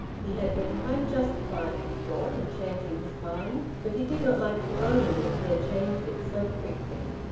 He had been quite justified, he thought, in changing his mind, but he did not like to own that he had changed it so quickly.